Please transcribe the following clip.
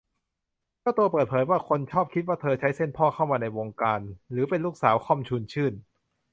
เจ้าตัวเปิดเผยว่า คนชอบคิดว่าเธอใช้เส้นพ่อเข้ามาในวงการ หรือเป็นลูกสาว ค่อม ชวนชื่น